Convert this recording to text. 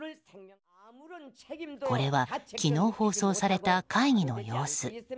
これは昨日放送された会議の様子。